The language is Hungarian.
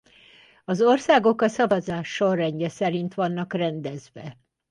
Az országok a szavazás sorrendje szerint vannak rendezve.